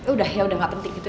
udah ya udah gak penting gitu